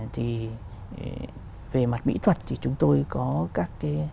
thì về mặt mỹ thuật thì chúng tôi có các cái